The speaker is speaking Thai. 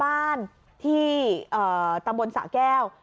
ป้าของน้องธันวาผู้ชมข่าวอ่อน